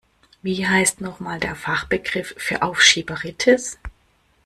Wie heißt noch mal der Fachbegriff für Aufschieberitis?